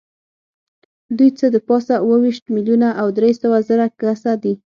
دوی څه د پاسه اووه ویشت میلیونه او درې سوه زره کسه دي.